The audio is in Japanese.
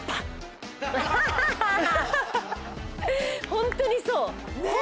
ホントにそうねっ